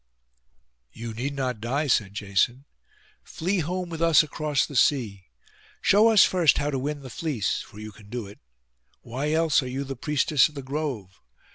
'You need not die,' said Jason. 'Flee home with us across the sea. Show us first how to win the fleece; for you can do it. Why else are you the priestess of the grove?